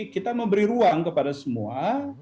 kita memberi ruang kepada semua